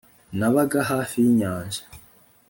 nabaga hafi y'inyanja